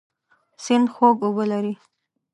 سیند خوږ اوبه لري.